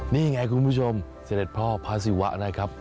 นี่ไงคุณผู้ชมเสด็จพ่อพระศิวะนะครับ